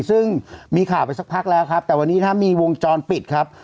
ซึ่งมีข่าวไปสักพักแล้วครับแต่วันนี้ถ้ามีวงจรปิดครับ